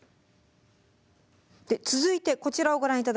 続いてこちらをご覧頂きましょう。